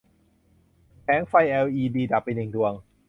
แผงไฟแอลอีดีดับไปหนึ่งดวง